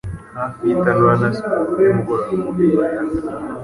Hafi y'itanura na siporo nimugoroba mubibaya.